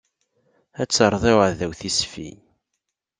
Ad terreḍ i uɛdaw tisfi.